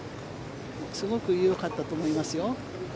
すごくよかったと思いますよ。